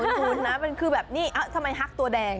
คุ้นนะคือแบบนี่เอ้าทำไมฮักตัวแดง